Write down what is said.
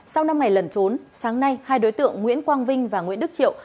sau năm này lần trốn sáng nay hai đối tượng nguyễn quang vinh và nguyễn đức triệu